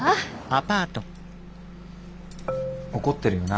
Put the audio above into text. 怒ってるよな。